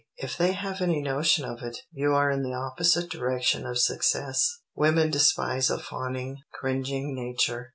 If they have any notion of it, you are in the opposite direction of success. Women despise a fawning, cringing nature.